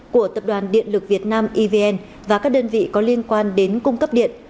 của tập đoàn điện lực việt nam evn và các đơn vị có liên quan đến cung cấp điện